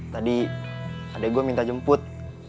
tadi adik gue minta jemput